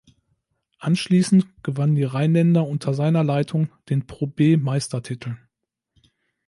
Anschließend gewannen die Rheinländer unter seiner Leitung den ProB-Meistertitel.